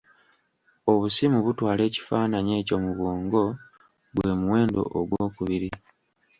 Obusimu butwala ekifaananyi ekyo mu bwongo, gwe muwendo ogwokubiri.